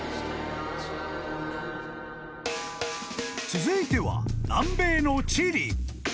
［続いては南米の］